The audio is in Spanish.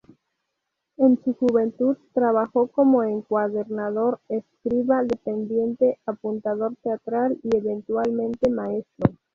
En su juventud trabajó como encuadernador, escriba, dependiente, apuntador teatral, y, eventualmente, maestro.